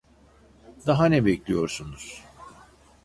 Daha ne bekliyorsunuz?